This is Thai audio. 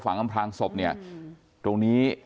ก็คุณตามมาอยู่กรงกีฬาดครับ